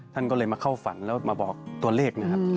ท่านก็เลยมาเข้าฝันแล้วมาบอกตัวเลขนะครับ